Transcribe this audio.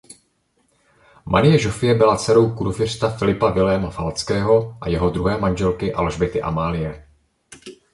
Marie Žofie byla dcerou kurfiřta Filipa Viléma Falckého a jeho druhé manželky Alžběty Amálie.